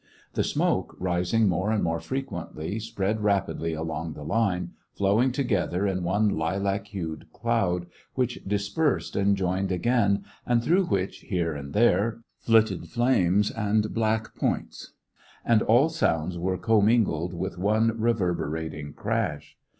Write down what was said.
The smoke, rising more and more frequently, spread rapidly along the line, flowed together in one lilac hued cloud, which dispersed and joined again, and through which, here and there, flitted flames and black points — and all sounds were commingled in one reverberating crash.